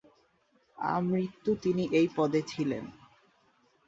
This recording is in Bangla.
আমৃত্যু তিনি এই পদে ছিলেন।